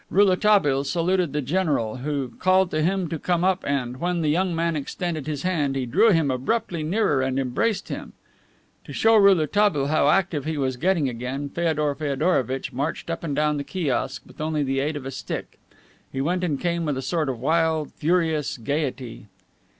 Rouletabille saluted the general, who called to him to come up and, when the young man extended his hand, he drew him abruptly nearer and embraced him. To show Rouletabille how active he was getting again, Feodor Feodorovitch marched up and down the kiosk with only the aid of a stick. He went and came with a sort of wild, furious gayety.